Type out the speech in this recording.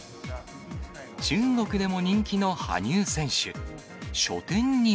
中国でも人気の羽生選手。